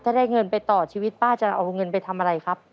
ถ้าได้เงินไปต่อชีวิตป้าจะเอาเงินไปทำอะไรครับ